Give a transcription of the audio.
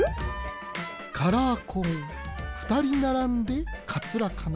カラーコーンふたりならんでカツラかな。